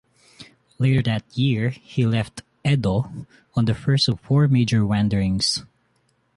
Later that year he left Edo on the first of four major wanderings.